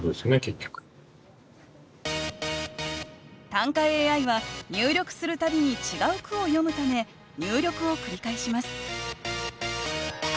短歌ＡＩは入力する度に違う句を詠むため入力を繰り返します